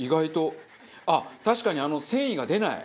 あっ確かに繊維が出ない。